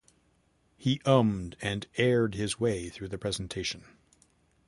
He ummed and erred his way through the presentation.